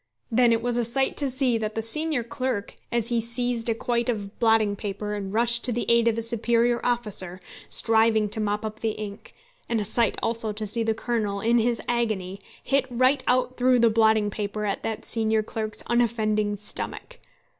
Then it was a sight to see that senior clerk, as he seized a quire of blotting paper, and rushed to the aid of his superior officer, striving to mop up the ink; and a sight also to see the Colonel, in his agony, hit right out through the blotting paper at that senior clerk's unoffending stomach.